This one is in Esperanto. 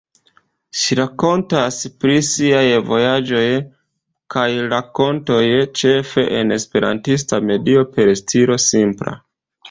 Ŝi rakontas pri siaj vojaĝoj kaj renkontoj ĉefe en esperantista medio per stilo simpla.